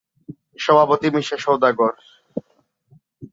সভাপতি: মিশা সওদাগর।